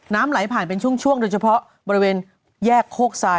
น้ำไหลผ่านเป็นช่วงโดยเฉพาะบริเวณแยกโคกทราย